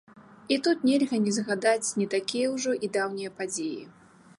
І тут нельга не згадаць не такія ўжо і даўнія падзеі.